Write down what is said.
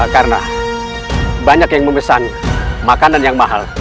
karena banyak yang memesan makanan yang mahal